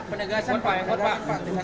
penegasan pak ingat pak